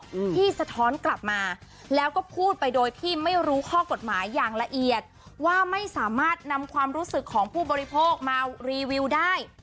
อืมที่สะท้อนกลับมาแล้วก็พูดไปโดยที่ไม่รู้ข้อกฎหมายอย่างละเอียดว่าไม่สามารถนำความรู้สึกของผู้บริโภคมารีวิวได้